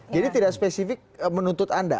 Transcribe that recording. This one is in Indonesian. jadi tidak spesifik menuntut anda